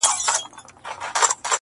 که نسيم الوزي اِېرې اوروي،